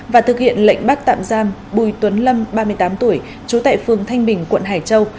và thực hiện lệnh bắt tạm giam bùi tuấn lâm ba mươi tám tuổi trú tại phường thanh bình quận hải châu